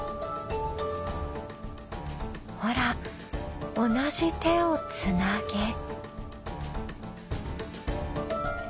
ほら同じ手をつなげ。